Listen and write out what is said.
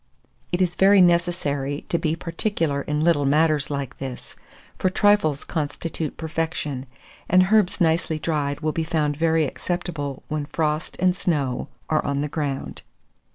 (It is very necessary to be particular in little matters like this, for trifles constitute perfection, and herbs nicely dried will be found very acceptable when frost and snow are on the ground.